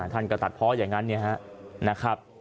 ท่านก็ตัดเพราะอย่างนั้นนะครับ